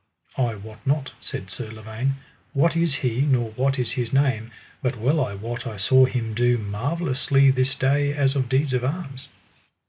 I wot not, said Sir Lavaine, what is he, nor what is his name, but well I wot I saw him do marvellously this day as of deeds of arms.